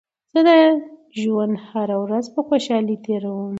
زه د ژوند هره ورځ په خوشحالۍ تېروم.